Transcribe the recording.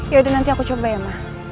yaudah nanti aku coba ya mah